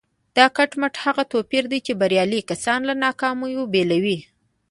دا کټ مټ هماغه توپير دی چې بريالي کسان له ناکامو بېلوي.